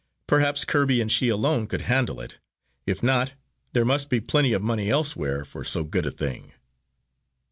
Perhaps Kirby and she alone could handle it; if not, there must be plenty of money elsewhere for so good a thing.